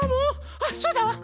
あっそうだわ。